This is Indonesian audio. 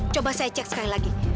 coba saya cek sekali lagi